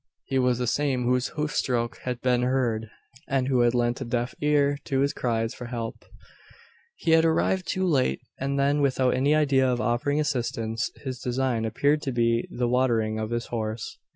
He was the same whose hoofstroke had been heard, and who had lent a deaf ear to the cries for help. He had arrived too late, and then without any idea of offering assistance. His design appeared to be the watering of his horse.